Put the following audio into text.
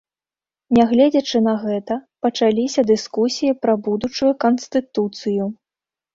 Нягледзячы на гэта, пачаліся дыскусіі пра будучую канстытуцыю.